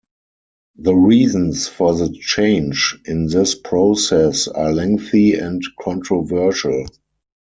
The reasons for the change in this process are lengthy and controversial.